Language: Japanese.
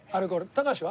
高橋は？